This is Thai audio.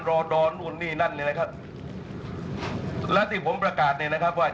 รอดอนนู่นนี่นั่นนี่นะครับและที่ผมประกาศเนี่ยนะครับว่า